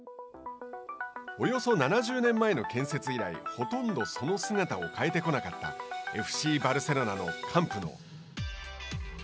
およそ７０年前の建設以来ほとんどその姿を変えてこなかったＦＣバルセロナのカンプノウ。